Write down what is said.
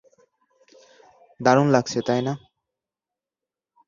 দারুন লাগছে, তাই না?